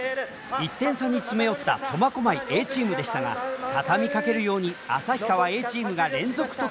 １点差に詰め寄った苫小牧Ａチームでしたが畳みかけるように旭川Ａチームが連続得点。